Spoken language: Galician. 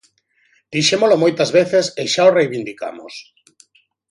Dixémolo moitas veces e xa o reivindicamos.